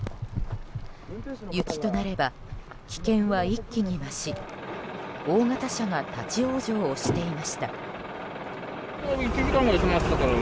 雪となれば危険は一気に増し大型車が立ち往生をしていました。